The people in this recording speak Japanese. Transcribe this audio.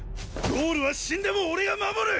ゴールは死んでも俺が守る！